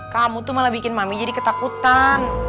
kamu tuh malah bikin mami jadi ketakutan